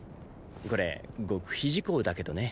これ極秘事項だけどね。